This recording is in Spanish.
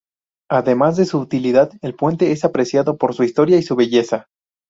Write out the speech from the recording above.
Además de su utilidad, el puente es apreciado por su historia y su belleza.